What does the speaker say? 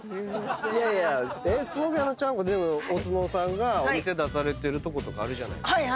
いやいや相撲部屋のちゃんこでもお相撲さんがお店出されてるとことかあるじゃないですか。